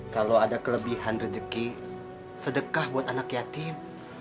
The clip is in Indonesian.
kalau ada kelebihan rezeki sedekah buat anak yatim